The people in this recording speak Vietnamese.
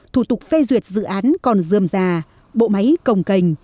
thủ tục phê duyệt dự án còn dườm già bộ máy cồng cành